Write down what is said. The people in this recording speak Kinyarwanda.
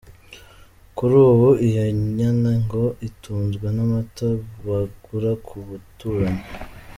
Kuri ubu iyo nyana ngo itunzwe n’amata bagura ku baturanyi.